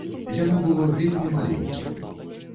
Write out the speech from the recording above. Яно было вельмі маленькім.